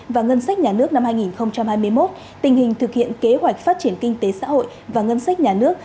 và ngân sách nhà nước năm hai nghìn hai mươi một tình hình thực hiện kế hoạch phát triển kinh tế xã hội và ngân sách nhà nước